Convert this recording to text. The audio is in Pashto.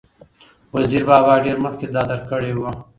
وزیر بابا ډېر مخکې دا درک کړې وه،